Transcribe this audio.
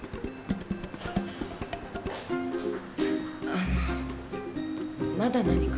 あのまだ何か？